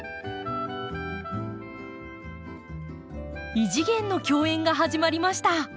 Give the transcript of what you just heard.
異次元の競演が始まりました。